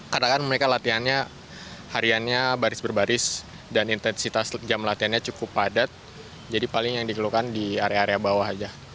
karena kan mereka latihannya hariannya baris berbaris dan intensitas jam latihannya cukup padat jadi paling yang dikeluhkan di area area bawah aja